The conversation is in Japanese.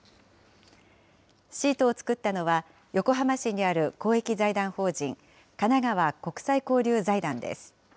シートを作ったのは、横浜市にある公益財団法人かながわ国際交流財団です。